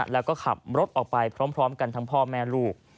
แล้วก็ขับรถออกไปพร้อมกันทั้งพ่อแม่ลูก